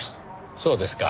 そうですか。